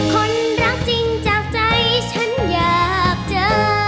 คนรักจริงจากใจฉันอยากเจอ